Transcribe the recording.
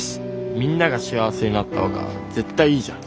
みんなが幸せになった方が絶対いいじゃん。